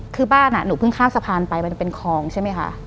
คือบ้านหนูเพิ่งข้ามสะพานไปมันเป็นคลองใช่ไหมคะ